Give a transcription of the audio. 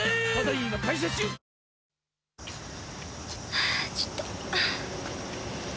あぁちょっと。